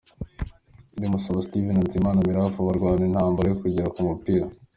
Ndikumasabo Steve na Nizeyimana Mirafa barwana intambara yo kugera ku mupira